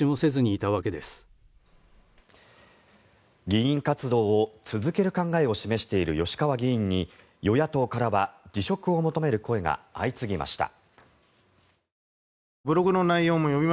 議員活動を続ける考えを示している吉川議員に与野党からは辞職を求める声が相次ぎました。